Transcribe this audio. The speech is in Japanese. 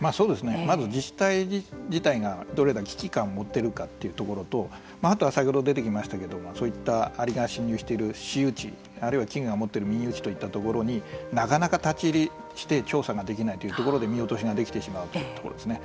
まず自治体自体がどれだけ危機感を持っているかというところとあとは先ほど出てきましたけれどもそういったアリが侵入している私有地あるいは危害を受けている民有地といったところになかなか立ち入りして調査ができないというところで見落としができてしまうところですね。